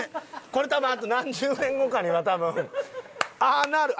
これあと何十年後かには多分ああなる